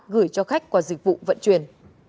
gửi cho khách qua dịch vụ vận chuyển